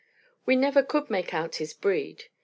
We never could make out his breed.